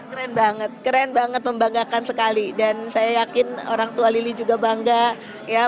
keren banget keren banget membanggakan sekali dan saya yakin orang tua lili juga bangga ya